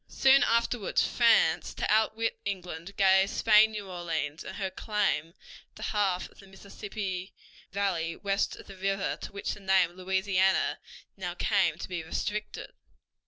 Soon afterward France, to outwit England, gave Spain New Orleans and her claim to the half of the Mississippi Valley west of the river to which the name Louisiana now came to be restricted.